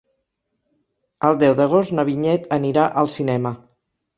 El deu d'agost na Vinyet anirà al cinema.